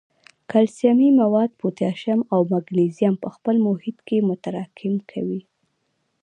کلسیمي مواد، پوټاشیم او مګنیزیم په خپل محیط کې متراکم کوي.